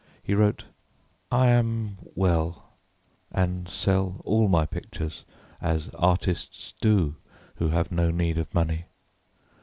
He wrote: "I am well, and sell all my pictures as artists do who have no need of money.